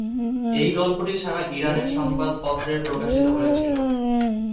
এই গল্পটি সারা ইরানের সংবাদপত্রে প্রকাশিত হয়েছিল।